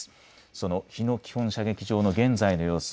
その日野基本射撃場の現在の様子